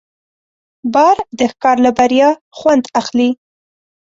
باز د ښکار له بریا خوند اخلي